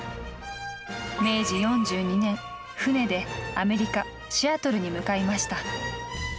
明治４２年、船でアメリカ・シアトルに向かいました。